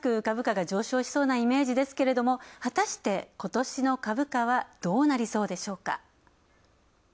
株価が上昇しそうなイメージですが、果たして今年の株価はどうなりそうでしょうか。